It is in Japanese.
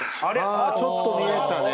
ああちょっと見えたね。